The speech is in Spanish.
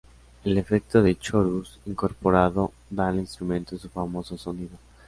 El efecto de chorus incorporado da al instrumento su famoso sonido.